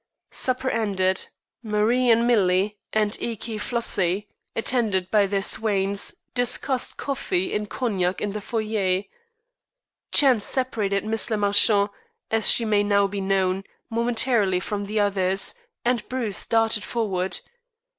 Supper ended, Marie and Millie, and eke Flossie, attended by their swains, discussed coffee and cognac in the foyer. Chance separated Miss le Marchant, as she may now be known, momentarily from the others, and Bruce darted forward.